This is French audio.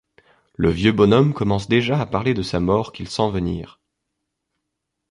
Le vieux bonhomme commence déjà à parler de sa mort qu'il sent venir.